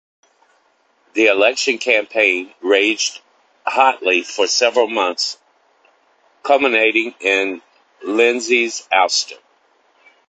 The election campaign raged hotly for several months, culminating in Lenzi's ouster.